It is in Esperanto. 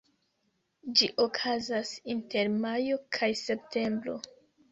Ĝi okazas inter majo kaj septembro.